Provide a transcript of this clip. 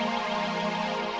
tidak aku lupa